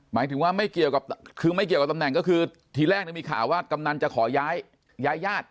หมายถึงว่าไม่เกี่ยวกับคือไม่เกี่ยวกับตำแหน่งก็คือทีแรกมีข่าวว่ากำนันจะขอย้ายญาติ